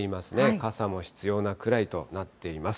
傘も必要なくらいとなっています。